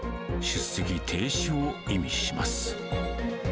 出席停止を意味します。